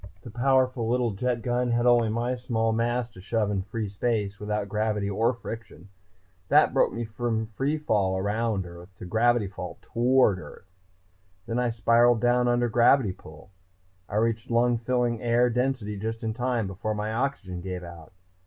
The powerful little jet gun had only my small mass to shove in free space, without gravity or friction. That broke me from free fall around Earth to gravity fall toward Earth. "Then I spiraled down under gravity pull. I reached lung filling air density just in time, before my oxygen gave out.